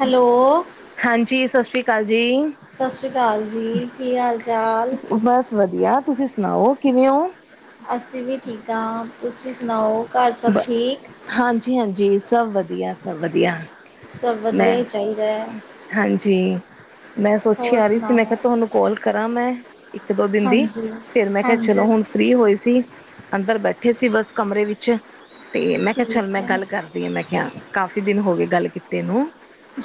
Hello ਹਾਂਜੀ, ਸਤਿ ਸ੍ਰੀ ਅਕਾਲ ਜੀ। ਸਤਿ ਸ਼੍ਰੀ ਅਕਾਲ ਜੀ, ਕੀ ਹਾਲ ਚਾਲ? ਬਸ ਵਧੀਆ, ਤੁਸੀ ਸੁਣਾਓ ਕਿਵੇਂ ੳ? ਅਸੀ ਵੀ ਠੀਕ ਆਂ, ਤੁਸੀਂ ਸੁਣਾਓ ਘਰ ਸਭ ਠੀਕ? ਹਾਂਜੀ ਹਾਂਜੀ, ਸਭ ਵਧੀਆ ਸਭ ਵਧੀਆ। ਸਭ ਮੈਂ ਵਧੀਆ ਈ ਚਾਈਦਾ ਐ। ਹਾਂਜੀ, ਮੈਂ ਸੋਚੀ ਹੋਰ ਜਾ ਰਈ ਸੀ ਮੈਂ ਸੁਣਾਓ? ਕੇਆ, ਤਾਨੂੰ ਕਾੱਲ ਕਰਾਂ ਮੈਂ। ਇੱਕ-ਦੋ ਦਿਨ ਦੀ, ਹਾਂਜੀ, ਫੇਰ ਮੈਂ ਕੇਆ ਚਲੋ ਹਾਂਜੀ ਹੁਨ ਫੀ੍ ਹੋਈ ਸੀ, ਅੰਦਰ ਬੈਠੇ ਸੀ ਬਸ ਕਮਰੇ ਵਿੱਚ ਤੇ ਮੈਂ ਕੇਆ ਚੱਲ ਠੀਕ ਮੈਂ ਹੈ, ਗੱਲ ਕਰ ਤੇ ਮੈਂ ਕੇਆ ਕਾਫੀ ਦਿਨ ਹੋ ਗਏ ਗੱਲ ਕੀਤੇ ਨੂੰ।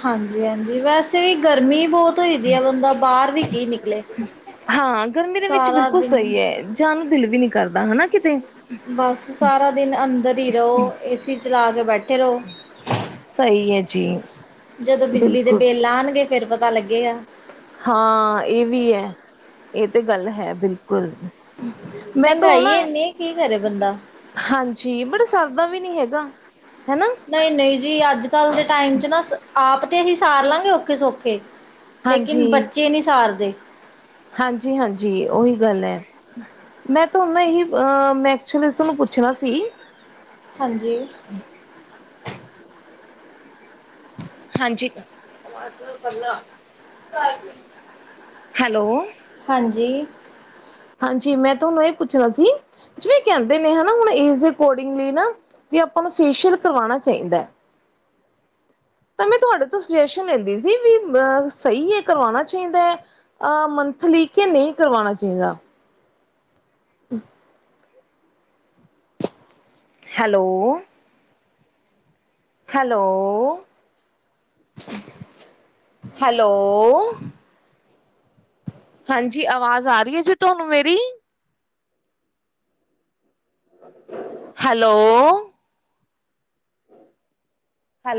ਹਾਂਜੀ ਹਾਂਜੀ, ਵੈਸੇ ਵੀ ਗਰਮੀ ਬੋਤ ਹੋਈ ਦੀ ਆ, ਬੰਦਾ ਬਾਹਰ ਵੀ ਕੀ ਨਿਕਲੇ। ਹਾਂ, ਗਰਮੀ ਦੇ ਵਿੱਚ ਸਾਰਾ ਬਿਲਕੁਲ ਦਿਨ ਸਹੀ ਹੈ, ਜਾਣ ਨੂੰ ਦਿਲ ਵੀ ਨੀ ਕਰਦਾ ਹੈਨਾ ਕਿਤੇ। ਬਸ ਸਾਰਾ ਦਿਨ ਅੰਦਰ ਈ ਰੳ, ਏਸੀ ਚਲਾ ਕੇ ਬੈਠੇ ਰੳ। ਸਹੀ ਹੈ ਜੀ, ਜਦੋ ਬਿਜਲੀ ਦੇ ਬਿਲਕੁਲ। ਬਿੱਲ ਆਣਗੇ ਫੇਰ ਪਤਾ ਲੱਗੇਗਾ। ਹਾਂ ਏ ਵੀ ਐ। ਏ ਤੇ ਗੱਲ ਹੈ ਬਿਲਕੁਲ। ਮੈਂ ਤੋ ੳ ਮਹਿੰਗਾਈ ਨਾ ਇੰਨੀ ਹੈ, ਕੀ ਕਰੇ ਬੰਦਾ। ਹਾਂਜੀ, ਬਰ ਸਰਦਾ ਵੀ ਨੀ ਹੈਗਾ, ਹੈਨਾ। ਨਈ ਨਈ ਜੀ, ਅੱਜ ਕੱਲ ਦੇ ਟਾਈਮ ਚ ਨਾ ਸ ਆਪ ਤੇ ਅਸੀ ਸਾਰ ਲਾਂਗੇ ਔਖੇ ਸੌਖੇ ਲੇਕਿਨ ਹਾਂਜੀ ਬੱਚੇ ਨੀ ਸਾਰਦੇ। ਹਾਂਜੀ ਹਾਂਜੀ, ੳਹੀ ਗੱਲ ਐ। ਮੈਂ ਤਾਨੂੰ ਏਹੀ ਅਅ ਮੈਂ ਏਚੁਲੀ ਤਾਨੂੰ ਪੁੱਛਨਾ ਸੀ ਹਾਂਜੀ ਹਾਂਜੀ ਹੈਲੋ ਹਾਂਜੀ। ਹਾਂਜੀ, ਮੈਂ ਤਾਨੂੰ ਏਹ ਪੁੱਛਨਾ ਸੀ ਜਿਵੇਂ ਕੈਂਦੇ ਨੇ ਹੈਨਾ, ਹੁਨ ਏਜ ਦੇ ਅਕੋਰਡਿੰਗਲੀ ਨਾ, ਵੀ ਆਪਾਂ ਨੂੰ ਫੇਸ਼ਅਲ ਕਰਵਾਨਾ ਚਾਈਦਾ। ਤੇ ਮੈਂ ਤੁਆਡੇ ਤੋ ਸਜੈਸ਼ਨ ਲੈਂਦੀ ਸੀ ਵੀ ਮ ਸਹੀ ਏ, ਕਰਵਾਨਾ ਚਾਈਦਾ ਐ। ਅ ਮੰਥਲੀ ਕੇ ਨਈ ਕਰਵਾਨਾ ਚਾਈਦਾ। [inaudible] ਹੈਲੋ ਹੈਲੋ, ਹੈਲੋ ਹਾਂਜੀ, ਆਵਾਜ਼ ਆ ਰਈ ਏ ਜੀ ਤੁਹਾਨੂੰ ਮੇਰੀ? Hello hello